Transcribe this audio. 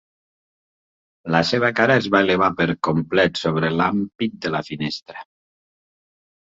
La seva cara es va elevar per complet sobre l'ampit de la finestra.